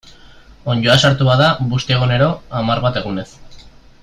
Onddoa sartu bada, busti egunero, hamar bat egunez.